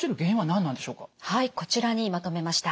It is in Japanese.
はいこちらにまとめました。